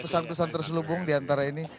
pesan pesan terselubung diantara ini